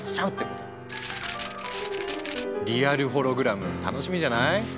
リアルホログラム楽しみじゃない？